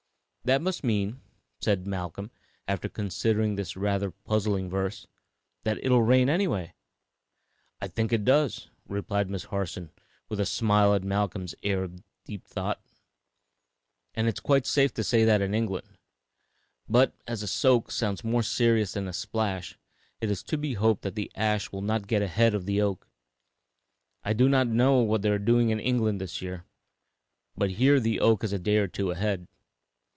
'" "That must mean," said Malcolm, after considering this rather puzzling verse, "that it'll rain any way." "I think it does," replied Miss Harson, with a smile at Malcolm's air of deep thought, "and it is quite safe to say that in England. But, as 'a soak' sounds more serious than 'a splash,' it is to be hoped that the ash will not get ahead of the oak. I do not know what they are doing in England this year, but here the oak is a day or two ahead.